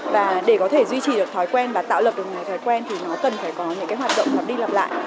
và để có thể duy trì được thói quen và tạo lập được những thói quen thì nó cần phải có những cái hoạt động hoặc đi lập lại